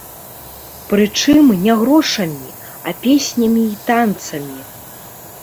Прычым, не грошамі, а песнямі і танцамі.